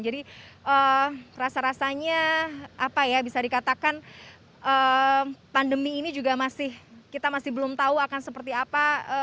jadi rasa rasanya bisa dikatakan pandemi ini juga masih kita masih belum tahu akan seperti apa